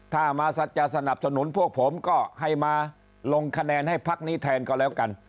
ถ้าจะสนับสนุนพวกผมก็ให้มาลงคะแนนให้พักนี้แทนก็แล้วกัน